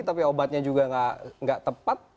tapi obatnya juga nggak tepat